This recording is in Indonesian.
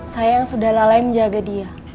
saya yang sudah lalai menjaga dia